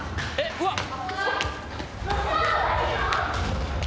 うわっ！